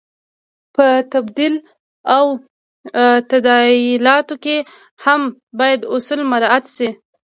په تبدیل او تادیاتو کې هم باید اصول مراعت شي.